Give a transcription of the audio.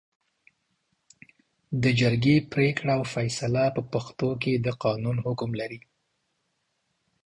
د جرګې پرېکړه او فېصله په پښتو کې د قانون حکم لري